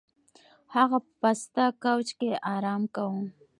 هغه په پاسته کوچ کې ارام کاوه.